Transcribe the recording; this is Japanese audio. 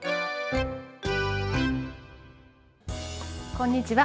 こんにちは。